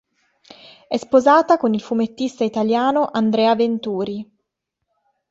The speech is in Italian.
È sposata con il fumettista italiano Andrea Venturi.